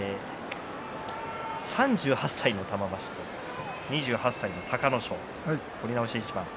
３８歳の玉鷲、２８歳の隆の勝取り直しの一番。